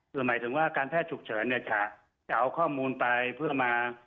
คือหมายถึงว่าการแพทย์ฉุกเฉินเนี่ยจะเอาข้อมูลไปเพื่อมา